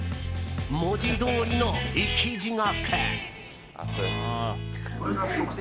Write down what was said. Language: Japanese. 文字どおりの生き地獄！